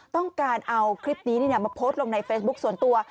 ต้องการเอาคลิปนี้มาโพสต์ลงในเฟซบุ๊คส่วนตัว